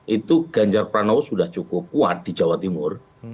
itu ganjar pranowo sudah cukup kuat di jawa timur